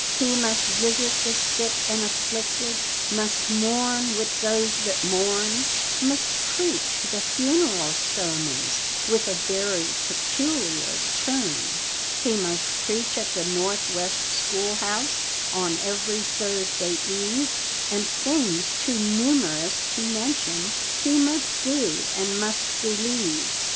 He must visit the sick and afflicted, Must mourn with those that mourn, Must preach the "funeral sermons" With a very peculiar turn. He must preach at the north west school house On every Thursday eve, And things too numerous to mention He must do, and must believe.